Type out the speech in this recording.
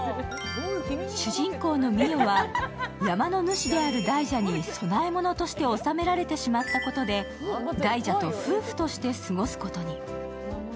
主人公のミヨは山の主である大蛇に供え物として納められてしまったことで大蛇と夫婦として過ごすことに。